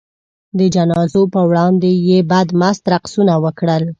د جنازو په وړاندې یې بدمست رقصونه وکړل.